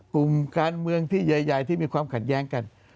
กลุ่มการเมืองที่ใหญ่ที่มีความขัดแย้งกัน